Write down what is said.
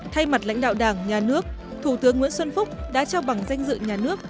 thay mặt lãnh đạo đảng nhà nước thủ tướng nguyễn xuân phúc đã trao bằng danh dự nhà nước